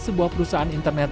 sebuah perusahaan internet